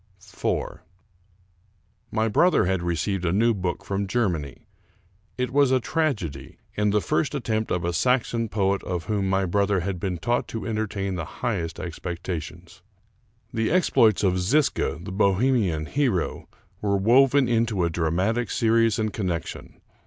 IV My brother had received a new book from Germany, It was a tragedy, and the first attempt of a Saxon poet of whom my brother had been taught to entertain the highest ex pectations. The exploits of Zisca, the Bohemian hero, were woven into a dramatic series and connection.